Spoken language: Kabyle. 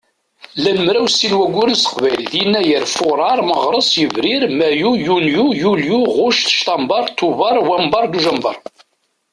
Llan mraw sin n wagguren s teqbaylit: Yennayer, Fuṛar, Meɣres, Yebrir, Mayyu, Yunyu, Yulyu, Ɣuct, Ctamber, Tuber, Wamber, Dujember.